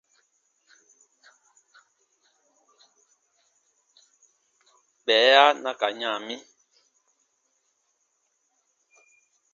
Bɛɛya na ka yã mi.